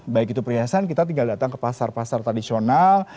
baik itu perhiasan kita tinggal datang ke pasar pasar tradisional